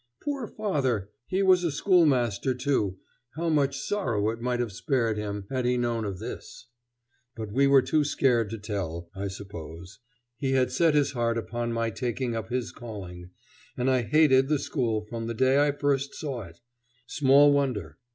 Poor father! He was a schoolmaster, too; how much sorrow it might have spared him had he known of this! But we were too scared to tell, I suppose. He had set his heart upon my taking up his calling, and I hated the school from the day I first saw it. Small wonder.